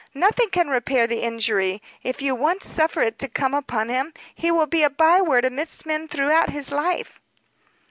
"Nothing can repair the injury, if you once suffer it to come upon him. He will be a by word amidst men throughout his life."